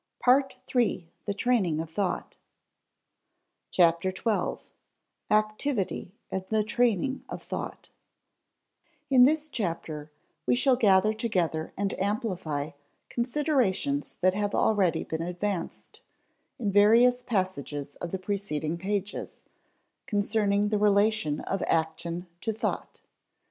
PART THREE: THE TRAINING OF THOUGHT CHAPTER TWELVE ACTIVITY AND THE TRAINING OF THOUGHT In this chapter we shall gather together and amplify considerations that have already been advanced, in various passages of the preceding pages, concerning the relation of action to thought.